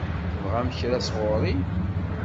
Tebɣam kra sɣur-i?